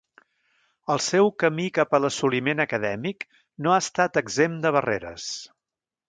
El seu camí cap a l'assoliment acadèmic no ha estat exempt de barreres.